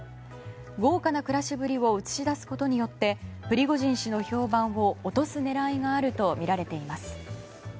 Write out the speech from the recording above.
豪華な暮らしぶりを映し出すことによってプリゴジン氏の評判を落とす狙いがあるとみられています。